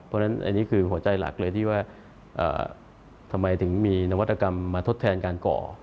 เพราะฉะนั้นอันนี้คือหัวใจหลักเลยที่ว่าทำไมถึงมีนวัตกรรมมาทดแทนการก่อ